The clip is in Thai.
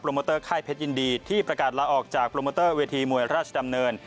โมเตอร์ค่ายเพชรยินดีที่ประกาศลาออกจากโปรโมเตอร์เวทีมวยราชดำเนิน